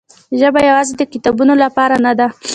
ژبه یوازې د کتابونو لپاره نه ده.